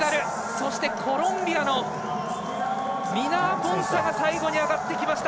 そして、コロンビアのミナアポンサが最後に上がってきました。